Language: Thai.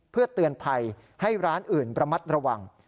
เพื่อเตือนภัยให้ร้านอื่นระมัดระวัง